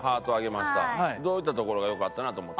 どういったところがよかったなと思った？